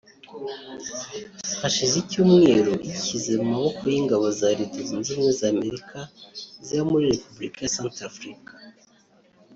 hashize icyumweru yishyize mu maboko y’ingabo za Leta Zunze Ubumwe z’Amerika ziba muri Repubulika ya Santarafurika